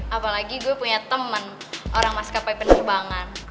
apalagi gue punya teman orang maskapai penerbangan